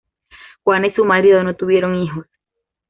Juana y su marido no tuvieron hijos.